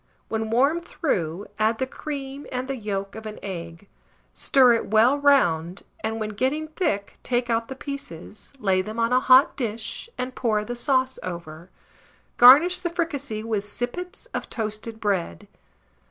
When warm through, add the cream and the yolk of an egg; stir it well round, and, when getting thick, take out the pieces, lay them on a hot dish, and pour the sauce over. Garnish the fricassée with sippets of toasted bread.